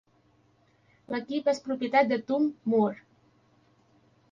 L'equip és propietat de Tom Moore.